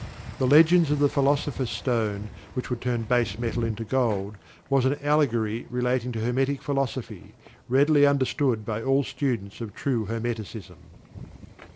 The legends of the "Philosopher's Stone" which would turn base metal into Gold, was an allegory relating to Hermetic Philosophy, readily understood by all students of true Hermeticism.